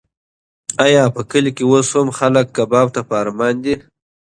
ایا په کلي کې اوس هم خلک کباب ته په ارمان دي؟